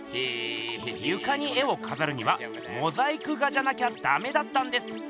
ゆかに絵をかざるにはモザイク画じゃなきゃだめだったんです。